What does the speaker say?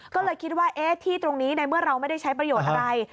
ก็เลยคิดว่าที่ตรงนี้ในเมื่อเราไม่ได้ใช้ประโยชน์อะไร